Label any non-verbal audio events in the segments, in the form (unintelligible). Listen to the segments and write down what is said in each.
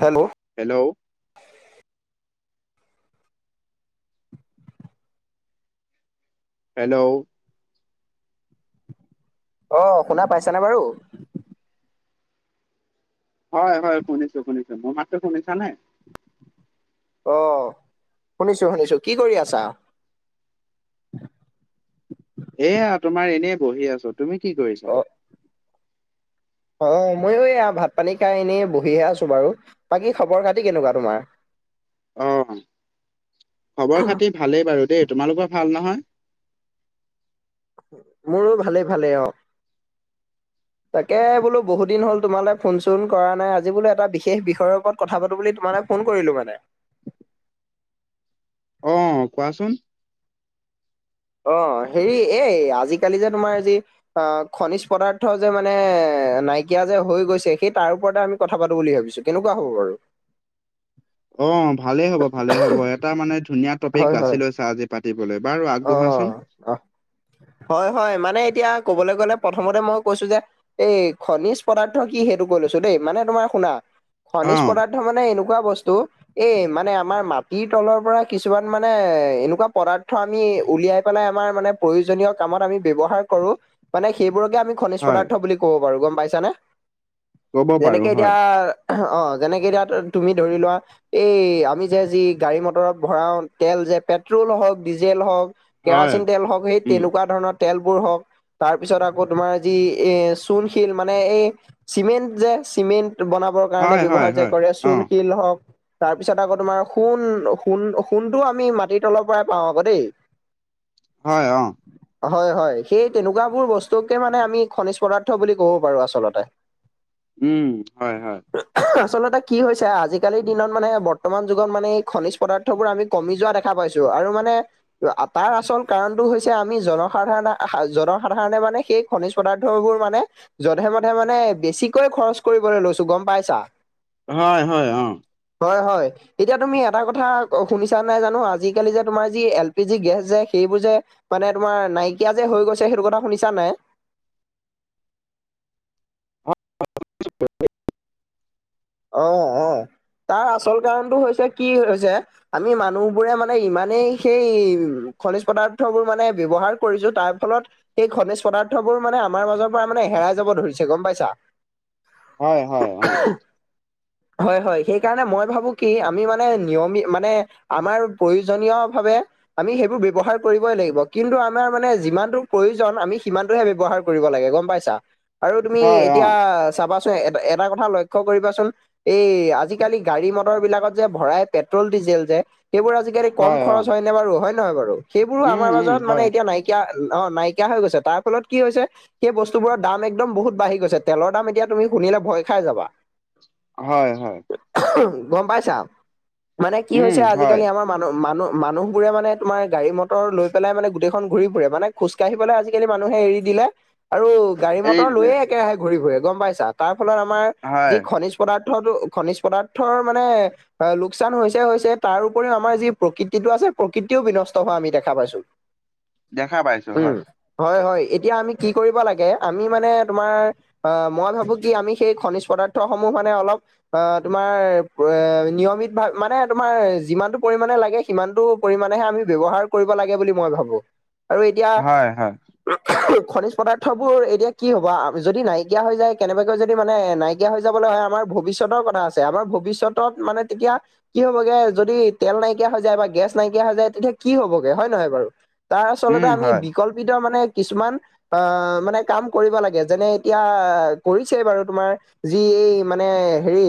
Hello! Hello. Hello. অ শুনা পাইছানে বাৰু? হয় হয় শুনিছো শুনিছো। মোৰ মাতো শুনিছা নে? অ শুনিছো শুনিছো কি কৰি আছা? এয়া তোমাৰ এনেই বহি আছো। তুমি কি কৰিছা? অ অ ময়ো এইয়া ভাত-পানী খাই এনেই বহিহে আছো বাৰু। বাকী খবৰ-খাতি কেনেকুৱা তোমাৰ? অ খবৰ খাতি ভালেই বাৰু দেই। তোমালোকৰ ভাল নহয়? মোৰো ভালে ভালেই অ। তাকে বোলো বহুত দিন হ'ল তোমালৈ ফোন-চোন কৰা নাই। আজি বোলে এটা বিশেষ বিষয়ৰ ওপৰত কথা পাতো বুলি তোমালে ফোন কৰিলো মানে। অ কোৱাচোন। অ হেৰি এই আজিকালি যে তোমাৰ যি অ খনিজ পদাৰ্থ যে মানে নাইকিয়া যে হৈ গৈছে সেই তাৰ ওপৰতে আমি কথা পাতো বুলি ভাবিছো। কেনেকুৱা হ'ব বাৰু? ভালে হ'ব ভালে হ'ব। এটা মানে ধুনীয়া টপিক হয় বাছি হয় লৈছা আজি পাতিবলৈ বাৰু আগবঢ়াচোন। অ হয় হয় মানে এতিয়া কবলৈ গলে প্ৰথমতে মই কৈছো যে এই খনিজ পদাৰ্থ কি সেইটো কৈ লৈছো দেই। মানে তোমাৰ শুনা খনিজ অ' পদাৰ্থ মানে এনেকুৱা বস্তু এ মানে আমাৰ মাটিৰ তলৰ পৰা কিছুমান মানে এনেকুৱা পদাৰ্থ উলিয়াই পেলাই আমাৰ মানে প্ৰয়োজনীয় কামত আমি ব্যৱহাৰ কৰো। মানে সেইবোৰোকে আমি খনিজ হয় পদাৰ্থ বুলি ক'ব পাৰো গম পাইছানে? ক'ব পাৰো যেনেকে হয় এতিয়া অ যেনেকে এতিয়া তুমি ধৰি লোৱা এই আমি যে যি গাড়ী-মটৰত ভৰাও তেল যে পেট্ৰল হওক ডিজেল হওক, হয় কেৰাচিন তেল হওক, সেই উম তেনেকুৱা ধৰণৰ তেলবোৰ হওক, তাৰ পিছত আকৌ তোমাৰ যি এ চূণশিল মানে এই চিমেণ্ট যে চিমেণ্ট বনাবৰ কাৰণে হয় হয় ব্যৱহাৰ যে হয় কৰে চুল অ' শিল হওক, তাৰপিছত আকৌ তোমাৰ সোণ, সোণ সোণটো আমি মাটিৰ তলৰ পৰাই পাওঁ আকৌ দেই। হয় অ। হয় হয় সেই তেনেকুৱাবোৰ বস্তুকে মানে আমি খনিজ পদাৰ্থ বুলি ক'ব পাৰোঁ আচলতে। (inaudible) উম হয় হয়। আচলতে কি হৈছে, আজিকালিৰ দিনত মানে বৰ্তমান যুগত মানে এই খনিজ পদাৰ্থ বোৰ আমি কমি যোৱা দেখা পাইছো, আৰু মানে তাৰ আচল কাৰণতটো হৈছে আমি জনসাধাৰণ-জনসাধাৰণে মানে সেই খনিজ পদাৰ্থবোৰ মানে যধে-মধে মানে বেছিকৈ খৰচ কৰিবলৈ লৈছো গম পাইছা। হয় হয় অ। হয় হয় তেতিয়া তুমি এটা কথা শুনিছা নাই জানো আজিকালি যে তোমাৰ যি এল পি জি গেছ যে সেইবোৰ যে মানে তোমাৰ নাইকিয়া যে হৈ গৈছে, সেইটো কথা শুনিছা নাই? (unintelligible) অ অ। তাৰ আচল কাৰণটো হৈছে কি হৈছে আমি মানুহবোৰে মানে ইমানেই সেই খনিজ পদাৰ্থবোৰ মানে ব্যৱহাৰ কৰিছো তাৰ ফলত সেই খনিজ পদাৰ্থবোৰ মানে আমাৰ মাজৰ পৰা মানে হেৰাই যাব ধৰিছে গম পাইছা? হয় হয় অ। হয় হয় সেইকাৰণে মই ভাবো কি আমি মানে নিয়মি মানে আমাৰ প্ৰয়োজনীয় ভাৱে। আমি সেইবোৰ ব্যৱহাৰ কৰিবই লাগিব কিন্তু আমাৰ মানে যিমানটো প্ৰয়োজন আমি সিমানটোহে ব্যৱহাৰ কৰ কৰিব লাগে গম পাইছা আৰু তুমি হয় অ' এতিয়া চাবাচোন এ এটা কথা লক্ষ্য কৰিবাচোন। এই আজিকালি গাড়ী মটৰ বিলাকত যে ভৰাই পেট্ৰল ডিজেল যে সেইবোৰ আজি। কম হয় অ' খৰচ হয়নে বাৰু হয় নহয় বাৰু সেইবোৰো উম আমাৰ উম মাজত মানে হয় এতিয়া হয় নাই। নাইকীয়া অ', নাইকিয়া হৈ গৈছে তাৰ ফলত কি হৈছে। সেই বস্তুবোৰৰ দাম একদম বহুত বাঢ়ি গৈছে। তেলৰ দাম এতিয়া শুনিলে ভয় খাই যাবা। হয়, হয়। গম পাইছা মানে কি উম, হৈছে। হয় আজিকালি (unintelligible) মান মানুহ মানুহ বোৰে মানে তোমাৰ গাড়ী মটৰ লৈ পেলাই মানে গোটেইখন ঘূৰি ফুৰে মানে খোজকাঢ়িবলৈ আজিকালি মানুহে এৰি দিলে। আৰু গাড়ী এৰি মটৰ দিলে লৈয়ে একেৰাহে ঘূৰি ফূৰে গম পাইছা তাৰ ফলত আমাৰ হয় যি খনিজ পদাৰ্থটো খনিজ পদাৰ্থৰ মানে অ', লোকচান হৈছে হৈছে তাৰ উপৰিও আমাৰ যি প্ৰকৃতিটো আছে প্ৰকৃতিও বিনষ্ট হোৱা আমি দেখা পাইছো। (inaudible) দেখা পাইছো উম, হয়। হয়, হয়, এতিয়া আমি কি কৰিব লাগে। আমি মানে তোমাৰ আহ মই ভাবো কি, আমি সেই খনিজ পদাৰ্থসমূহ মানে অলপ অ', তোমাৰ নিয়মিত ভাৱ মানে তোমাৰ যিমানটো পৰিমামানে লাগে। কিমানতটো পৰিমমানেহে আমি ব্যৱহাৰ কৰিব লাগে বুলি মই ভাবো আৰু এতিয়া হয়, হয়, খনিজ পদাৰ্থ বোৰ এতিয়া কি হ'ব যদি নাইকিয়া হৈ যায়। কেনেবাকৈ যদি মানে নাইকিয়া হৈ য যাবলৈ হয়। আমাৰ ভৱিষ্যতৰ কথা আছে আমাৰ ভৱিষ্যতত মানে তেতিয়া কি হ'বগে যদি তেল নাইকিয়া হৈ যায় বা গেছ নাইকিয়া হৈ যায়। তেতিয়া কি হ'বগে হয় নে নহয় বাৰু তাৰ আচলতে উম, আমি হয়, বিকল্পিত মানে কিছুমান আহ মানে কাম কৰিব লাগে যেনে এতিয়া কৰিছেই বাৰু তোমাৰ যি এই মানে হেৰি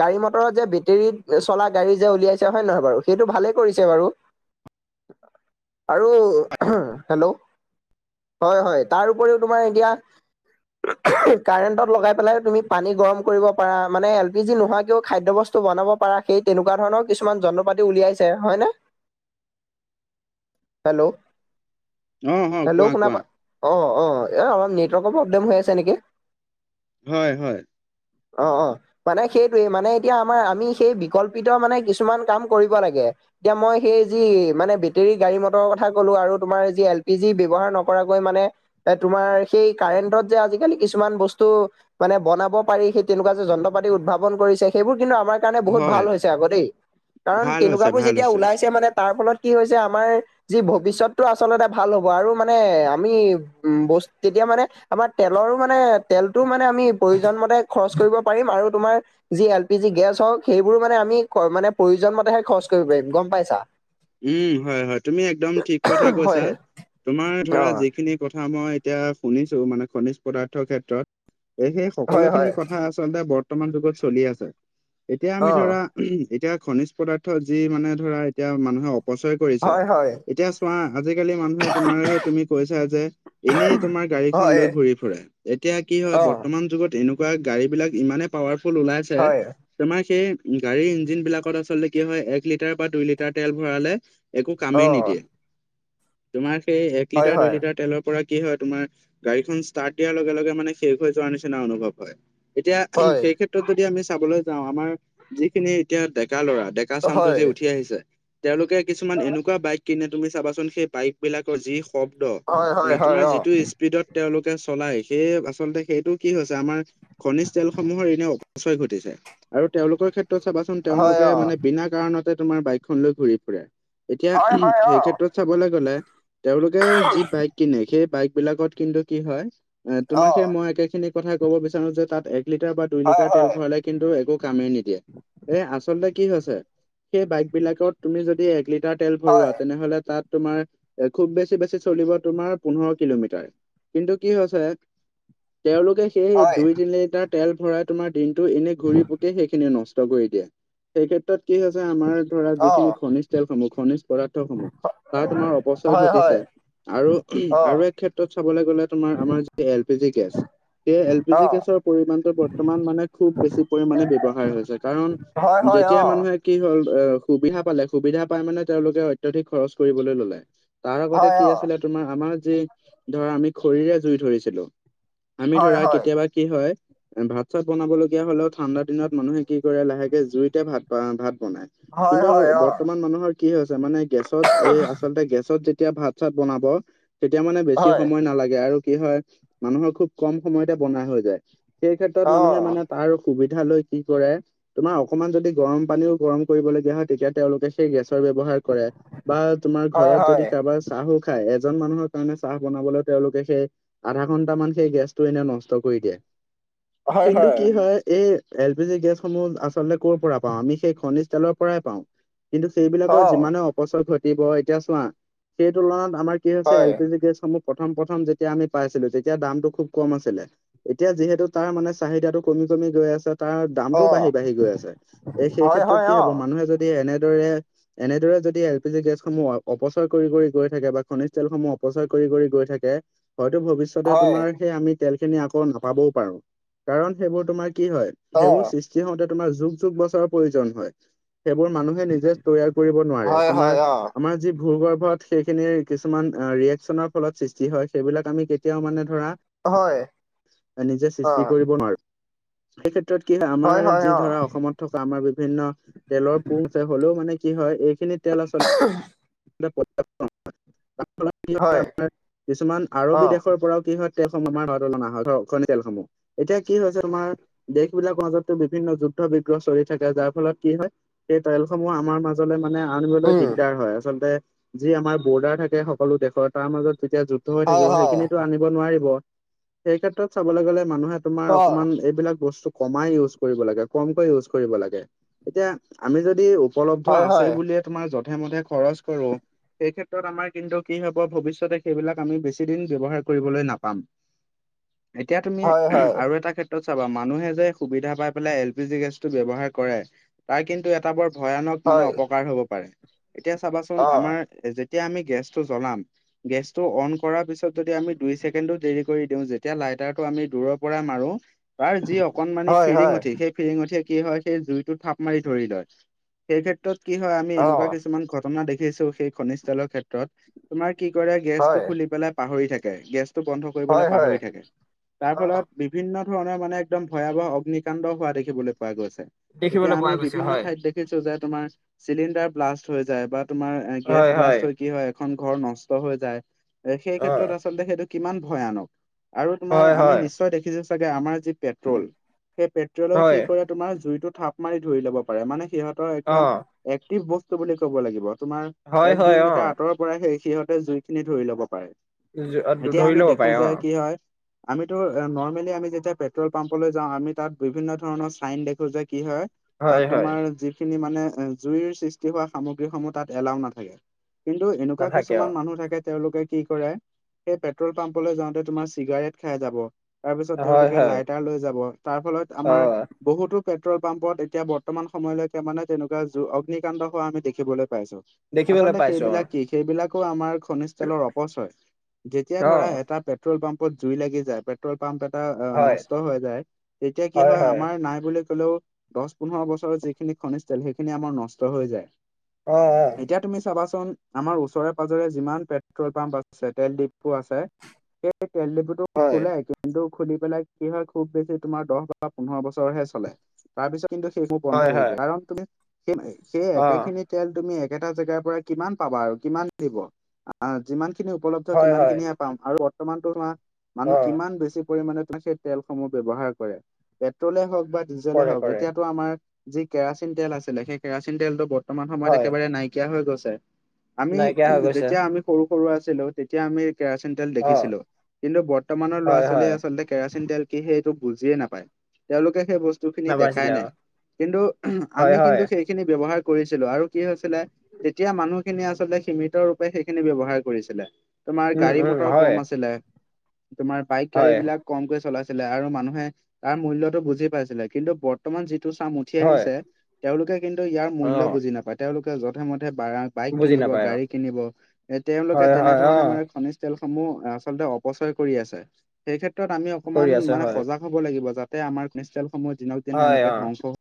গাড়ী মটৰত যে বেটেৰীত চলা গাড়ী যে উলিয়াইছে হয়ে নহয় বাৰু সেইটো ভালে কৰিছে বাৰু। আৰু হেল্ল'। হয়, হয়, তাৰ উপৰিও তোমাৰ এতিয়া কাৰেণ্টত লগাই পেলাই তুমি পানী গৰম কৰিব পৰা, মানে এল পি জি নোহোৱাকৈও খাদ্যবস্তু বনাব পৰা সেই তেনেকুৱা ধৰণৰ কিছুমান যন্ত্ৰ পাতি উলিয়াইছে হয় ন। হেল্ল'। অ', হয়, কোৱা, হেল্ল', শুনা কোৱা। পা অ', অ', ‌ এই অলপ নেটৱৰ্কৰ প্ৰব্লেম হৈ আছে নেকি? হয়, হয়। অ', অ'। মানে সেইটোৱে মানে এতিয়া আমাৰ আমি সেই বিকল্পিত মানে কিছুমান কাম কৰিব লাগে। এতিয়া মই সেই যি মানে বেটেৰী গাড়ী মটৰৰ কথা ক'লো আৰু তোমাৰ যি এল পি জি ব্যৱহাৰ নকৰাকৈ মানে এ তোমাৰ সেই কাৰেণ্টত যে আজিকালি কিছুমান বস্তু মানে বনাব পাৰি সেই তেনেকুৱা যে যন্ত্ৰাতি উদ্ভাৱন কৰিছে সেইবোৰ কিন্তু আমাৰ কাৰণে বহুত হয়, ভাল হৈছে। আকৌ দেই কাৰণ ভাল হৈছে, তেনেকুৱাবোৰ ভাল যেতিয়া হৈছে। ওলাইছে মানে তাৰ ফলত কি হৈছে, আমাৰ যি ভৱিষ্যতটো আচলতে ভাল হ'ব, আৰু মানে আমি উম বস্ত তেতিয়া মানে আমাৰ তেলৰো মানে তেলটো মানে আমি প্ৰয়োজন মতে খৰচ কৰিব পাৰিম আৰু তোমাৰ যি এল পি জি গেছ হওক সেইবোৰো মানে আমি মানে প্ৰয়োজন মতেহে খৰচ কৰিব পাৰিম গম পাইছা। উম হয়, হয় তুমি একদম ঠিক কথা কৈছা। হয় তোমাৰ অ ধৰা যিখিনি কথা মই এতিয়া শুনিছো মানে খনিজ পদাৰ্থৰ ক্ষেত্ৰত এই সেই হয় সকলোখিনি হয় কথা আছে। ল বৰ্তমান যুগত চলি আছে। এতিয়া অ আমি ধৰা এতিয়া খনিজ পদাৰ্থ যি মানে ধৰা এতিয়া মানুহে অপচয় কৰিছে। হয় হয় এতিয়া চোৱা আজিকালি মানুহে তোমাৰ সেই তুমি কৈছা যে এনেই তোমাৰ গাড়ীখন হয় লৈ ঘূৰি ফুৰে এতিয়া কি হয় অ বৰ্তমান যুগত এনেকা (unintelligible) গাড়ী বিলাক ইমানে পাৱাৰফুল উলাইছে। হয় তোমাৰ সেই গাড়ীৰ ইঞ্জিন বিলাকত আচলতে কি হয় এক লিটাৰ বা দুই লিটাৰ তেল ভৰালে একো অ কামেই নিদিয়ে তোমাৰ সেই এক হয় লিটাৰ দুই হয় লিটাৰ তেলৰ পৰা কি হয় তোমাৰ গাড়ীখন ষ্টাৰ্ট দিয়াৰ লগে লগে মানে শেষ হৈ যোৱাৰ নিচিনা অনুভৱ হয়। এতিয়া হয় সেই ক্ষেত্ৰত যদি আমি চাবলৈ যাওঁ আমাৰ যিখিনি এতিয়া ডেকা ল'ৰা একা চামটো যে হয় উঠি আহিছে তেওঁলোকে কিছুমান এনেকুৱা বাইক কিনে তুমি চাবাচোন সেই বাইক বিলাকৰ যি শব্দ হয় এ হয় তোমাৰ হয় অ যিটো স্পীডত তেওঁলোকে চলাই সেইয়ে আচলতে সেইটো কি হৈছে আমাৰ খনিজ তেলসমূহৰ এনে অপচয় ঘটিছে আৰু তেওঁলোকৰ ক্ষেত্ৰত চাবাচোন হয় তেওঁলোকে মানে অ বিনা কাৰণতে তোমাৰ বাইকখন লৈ ঘূৰি ফুৰে এতিয়া হয় হয় সেই অ ক্ষেত্ৰত চাবলৈ গলে তেওঁলোকে যি বাইক কিনে সেই বাইক বিলাকত কিন্তু কি হয় অ তোমাক সেই মই একে খিনি কথা ক'ব বিচাৰো যে তাত এক লিটাৰ বা দুই হয় লিটাৰ তেল হয় ভৰালে কিন্তু একো কামেই নিদিয়ে এ আচলতে কি হৈছে সেই বাইক বিলাকত তুমি যদি একলিট লিটাৰ তেল ভৰোৱা হয় তেনেহ'লে তাত তোমাৰ এ খুব বেছি বেছি চলিব তোমাৰ পোন্ধৰ কিলোমিটাৰ কিন্তু কি হৈছে তেওঁলোকে সেই হয় দুই তিনি লিটাৰ তেল ভৰাই তোমাৰ দিনতটো এনে ঘুৰি পুক সেইখিনি নষ্ট কৰি দিয়ে সেই ক্ষেত্ৰত কি হৈছে আমাৰ ধৰা অ তেল সমুহ খনিজ পদাৰ্থসমূহ তাত তাৰ অপচয় হয় হয় ঘটিছে আৰু অ ক্ষেত্ৰত চাবলৈ গ'লে তোমাৰ আমাৰ যি এল পি জি গেছ সেই এল পি অ জি গেছৰ পৰিমমানটো বৰ্তমান মানে খুব বেছি পৰিমণে ব্যয়ৱহাৰ হৈছে কাৰণ হয় হয় অ যেতিয়া মানুহে কি হ'ল অ সুবিধা পালে সুবিধা পাই মানে তেওঁলোকে অত্যাধিক খৰচ কৰিবলৈ ললে তাৰ আগতে হয় কি অ আছিলে তোমাৰ আমাৰ যি ধৰা আমি খৰিৰে জুই ধৰিছিলো আমি হয় ধৰা হয় কেতিয়াবা কি হয় ভাত চাত বনাবলগীয়া হলেও ঠাণ্ডা দিনত মানুহে কি কৰে লাহেকে জুইতে ভাত ভাত বনায় হয় কিন্তু হয় অ কিছুমান মানুহৰ কি হৈছে মানে গেছত এই আচলতে গেছত যেতিয়া ভাত চাত বনাব তেতিয়া মানে বেছি হয় সময় নালাগে আৰু কি হয় মানুহৰ খুব কম সময়তে বনোৱা হৈ যায় সেই ক্ষেত্ৰত অ মানুহে মানে তাৰ সুবিধা লৈ কি কৰে তোমাৰ অকমান যদি গৰম পানীও গৰম কৰিবলগীয়া হয় তেতিয়া তেওঁলোকে সেই গেছৰ ব্যৱহাৰ কৰে বা তোমাৰ হয় ঘৰত হয় যদি কাৰোবাৰ চাহো খায় এজন মানুহৰ কাৰণে চাহ বনাবলৈ তেওঁলোকে সেই আধা ঘন্টা মান সেই গেছটো এনে নষ্ট কৰি দিয়ে হয় কিন্তু হয় কি হয় এই এল পি জি গেছসমূহ আচলতে কৰ'ৰ পৰা পাওঁ আমি সেই খনিজ তেলৰ পৰাই পাওঁ কিন্তু অ সেইবিলাকৰ যিমানে অপচয় ঘটিব এতিয়া চোৱা সেই তুলনাত আমাৰ কি হৈছে হয় এল পি জি গেছসমূহ প্ৰথম প্ৰথম যেতিয়া আমি পাইছিলো তেতিয়া দামটো খুব কম আছিলে এতিয়া যিহেতু তাৰ মানে চাহিদাটো কমি কমি গৈ আছে তাৰ অ দামটোও বাঢ়ি বাঢ়ি গৈ আছে এ সেই হয় ক্ষেত্ৰত হয় কি অ হব মানুহে যদি এনেদৰে এনেদৰে যদি এল পি জি গেছসমূহ অপচয় কৰি কৰি গৈ থাকে বা খনিজ তেলসমূহ অপচয় কৰি কৰি গৈ থাকে হয়টো ভৱিষ্য ভৱিষ্যতে হয় তোমাৰ সেই আমি তেলখিনি আকৌ নাপাবও পাৰোঁ কাৰণ সেইবোৰ তোমাৰ কি হয় অ সেইবোৰ সৃষ্টি হওঁতে তোমাৰ যুগ যুগ বছৰৰ প্ৰয়োজন হয় সেইবোৰ মানুহ তৈয়াৰ কৰিব নোৱাৰে হয় তোমাৰ হয় অ আমাৰ যি ভূগৰ্ভত সেইখিনিৰ কিছুমান ৰিয়েকশ্যনৰ ফলত সৃষ্টি হয় সেইবিলাক আমি কেতিয়াও মানে ধৰা হয় নিজে অ সৃষ্টি কৰিব নোৱাৰো সেই ক্ষেত্ৰত কি হয় আমাৰ হয় যি অ ধৰা অসমত থকা আমাৰ বিভিন্ন তেলৰ পো হ'লেও মানে কি হয় এইখিনি তেল আচলতে (unintelligible) হয় (unintelligible) কিছুমান অ আৰৱী দেশৰ পৰাও কি হয় (unintelligible) তেলসমূহ, এতিয়া কি হৈছে তোমাৰ দেশ বিলাকৰ মাজতো বিভিন্ন যুদ্ধ বিগ্ৰহ চলি থাকে, যাৰ ফলত কি হয়, সেই তেলসমূহ আমাৰ মাজত মানে আনিবলৈ উম দিগদাৰ হয়। আচলতে, যি আমাৰ বৰ্ডাৰ থাকে সকলো দেশৰ, তাৰ মাজত যেতিয়া যুদ্ধ হৈ হয় থাকিব, হয় সেইখিনিটো আনি ব নোৱাৰিব, সেই ক্ষেত্ৰত চাবলৈ গ'লে, মানুহে তোমাৰ অ অকমান এইবিলাক বস্তু কমাই ইউজ কৰিব লাগে, কমকৈ ইউজ কৰিব লাগে, এতিয়া আমি যদি উপলব্ধ হয় আছে হয় বুলিয়েই, তোমাৰ যধে মধে খৰচ কৰো সেই ক্ষেত্ৰত আমাৰ কিন্তু কি হব, ভৱিষ্যতে সেইবিলাক আমি বেছি দিন ব্যৱহাৰ কৰিবলৈ নাপাম। (inaudible) এতিয়া তুমি হয় হয় আৰু এটা ক্ষেত ত চাবা, মানুহে যে সুবিধা পাই পেলাই এল পি জি গেছটো ব্যৱহাৰ কৰে, তাৰ কিন্তু এটা বৰ ভয়ানক মানে হয় অপকাৰ হ'ব পাৰে, এতিয়া চাবাচোন অ আমাৰ যেতিয়া আমি গেছটো জ্বলাম গেছটো অন কৰাৰ পিছত যদি আমি দুই চেকেণ্ড দেৰি কৰি দিওঁ, যেতিয়া লাইটাৰটো আমি দূৰত পৰা মাৰো। তাৰ যি অকনমানি হয় হয় ফিৰিঙঠি, সেই ফিৰিঙঠিয়ে কি হয়, সেই জুইটো থাপ মাৰি ধৰি লয়। সেই ক্ষেত্ৰত কি হয়, আমি অ এনেকুৱা কিছুমান ঘটনা দেখিছো, সেই খনিজ তেলৰ ক্ষেত্ৰত তোমাৰ কি কৰে গেছটো হয় খুলি পেলাই পাহৰি থাকে, গেছটো বন্ধ হয় কৰিবলৈ হয় পাহৰি থাকে। তাৰ অ ফলত বিভিন্ন ধৰণৰ মানে একদম ভয়াৱহ অগ্নিকাণ্ড হোৱা দেখিবলৈ পোৱা গৈছে। এতিয়া দেখিবলৈ পোৱা আমি গৈছে বিভিন্ন হয় ঠাইত দেখ দেখিছো যে, তোমাৰ চিলিণ্ডাৰ ব্লাষ্ট হৈ যায় বা তোমাৰ গেছ হয়, হয়। ব্লাষ্ট কি হয় এখন ঘৰ নষ্ট হৈ যায়, সেই অ', ক্ষেত্ৰত আচলতে সেইটো কিমান ভয়ানক? আৰু তোমাৰ হয়, আমি হয়, নিশ্চয় দেখিছো চাগে, আমাৰ যি পেট্ৰল সেই পেট্ৰলেও হয়, কি কৰে তোমাৰ জুইটো থাপ মাৰি ধৰি লব পাৰে, মানে সিহঁতৰ একদম অ', এক্টিভ বস্তু বুলি ক'ব লাগিব। তোমাৰ হয়, এক হয়, দুই মিটাৰ অ', আঁতৰৰ পৰা সেই সিহঁতে জুই খিনি ধৰি লব পাৰে। জ- অ, ধ- এতিয়া ধৰি আমি ল'ব দেখো পাৰে যে অ', কি হয় আমিতো নৰ্মেলি আমি যেতিয়া পেট্ৰল পাম্পলৈ যাওঁ, আমি তাত বিভিন্ন ধৰণৰ চাইন দেখো যে কি হয় তাত হয়, হয়, তোমাৰ যিখিনি মানে জুইৰ সৃষ্টি হোৱা সামগ্ৰীসমূহ তাত এলাও নাথাকে। কিন্তু এনেকুৱা নাথাকে কিছুমান অ', মানুহ থাকে, তেওঁলোকে কি কৰে, সেই পেট্ৰল পাম্পলৈ যাওঁতে তোমাৰ চিগাৰেট খাই যাব। তাৰপিছত হয়, তেওঁলোকে হয়, লাইটাৰ লৈ যাব, তাৰফলত আমাৰ অ', বহুতো পেট্ৰল পাম্পত এতিয়া বৰ্তমান সময়লৈকে মানে তেনেকুৱা জু অগ্নিকাণ্ড হোৱা আমি দেখিবলৈ পাইছো। দেখিবলৈ আচলতে, পাইছোঁ সেইবিলাক কি? সেইবিলাকো আমাৰ খনিজ তেলৰ অপচয়, যেতিয়া অ', ধৰা অ', এটা পেট্ৰল পাম্পত জুই লাগি যায়। পেট্ৰল পাম্প এটা হয়, নষ্ট হৈ যায়, তেতিয়া কি হয় আমাৰ নাই বুলি কলেও দহ পোন্ধৰ বছৰৰ যিখিনি খনিজ তেল, সেইখিনি আমাৰ নষ্ট হৈ যায়। অ', অ'। এতিয়া তুমি চাবাচোন, আমাৰ ওচৰে পাজৰে যিমান পেট্ৰল পাম্প আছে, তেল ডিপু আছে। সেই তেল ডিপোত হয়, খোলে, কিন্তু খুলি পেলাই কি হয়, খুব বেছি তোমাৰ দহ বা পোন্ধৰ বছৰহে চলে। তাৰপিছত কিন্তু সেইসমোৰ বন্ধ হয়, কৰি হয়, দিয়ে, কাৰণ তুমি সেই সেই অ', একেখিনি তেল তুমি একেটা জাগাৰ পৰা কিমান পাবা আৰু, কিমান দিব, যিমান খিনি উপলব্ধ হয়, সিমান হয়, খিনি পাম আৰু বৰ্তমান তোমাৰ মানুহ অ', কিমান বেছি পৰিমাণে সেই তেলসমূহ ব্যৱহাৰ কৰে, পেট্ৰলেই হওক বা ডিজেলেই কৰে, হওক, কৰে, এতিয়াতো আমাৰ যি কেৰাচিন তেল আছিলে, সেই কেৰাচিন তেলটো বৰ্তমান সময়ত হয়, একেবাৰে নাইকিয়া হৈ গৈছে। আমি নাইকিয়া হৈ গৈছে যেতিয়া আমি সৰু সৰু আছিলো, তেতিয়া আমি কেৰাচিন তেল অ', দেখিছিলো, কিন্তু বৰ্তমানৰ ল'ৰা হয়, ছোৱালী হয়, আচলতে কেৰাচিন তেল কি সেইটো বুজিয়ে নাপায়, তেওঁলোকে সেই বস্তু বস্তু খিনি দেখাই নাবাছিলে নাই, অ', কিন্তু হয়, আমি হয়, কিন্তু সেইখিনি ব্যৱহাৰ কৰিছিলো, আৰু কি হৈছিলে, তেতিয়া মানুহখিনিয় আচলতে সীমিত ৰূপে সেইখিনি ব্যয়ৱহাৰ কৰিছিলে। তোমাৰ উম, গাড়ী উম, মটৰ হয়, কম আছিলে। তোমাৰ বাইক গাড়ী হয়, বিলাক কমকৈ চলাইছিলে আৰু মানুহে তাৰ মূল্যতটো বুজি পাইছিলে। কিন্তু বৰ্তমান যিটো চাম উঠি হয়, আহিছে, তেওঁলোকে কিন্তু ইয়াৰ মূল্য অ', বুজি নাপায়। তেওঁলোকে যধে-মধে বা বাইক বুজি কিনিব, নাপায় অ', গাড়ী কিনিব এ তেওঁলোকে হয়, হয়, তেনেধৰণে অ', মানে খনিজ তেলসমূহ আচলতে অপচয় কৰি আছে। সেই ক্ষেত্ৰত আমি কৰি অকণমান আছে মানে হয়, সজাগ হ'ব লাগিব। যাতে আমাৰ পিনিষ্টেলনসমূহ দিনক দিন হয়, এনেকে অ'। ধ্বংস